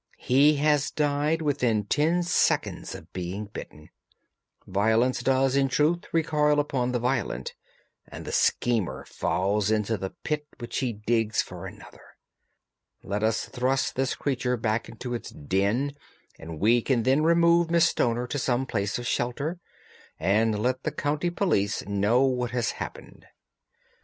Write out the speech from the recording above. He has died within ten seconds of being bitten. Violence does, in truth, recoil upon the violent, and the schemer falls into the pit which he digs for another. Let us thrust this creature back into its den, and we can then remove Miss Stoner to some place of shelter and let the county police know what has happened."